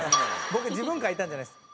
僕自分描いたんじゃないです。